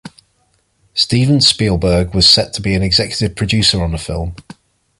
Steven Spielberg was set to be an executive producer on the film.